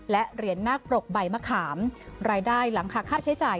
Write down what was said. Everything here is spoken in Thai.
และเหรียญนาคปรกใบมะขามรายได้หลังคาค่าใช้จ่าย